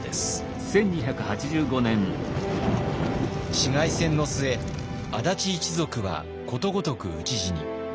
市街戦の末安達一族はことごとく討ち死に。